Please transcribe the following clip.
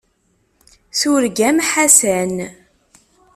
Turgam Ḥasan.